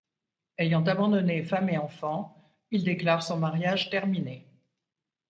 Ayant abandonné femme et enfant, il déclare son mariage terminé.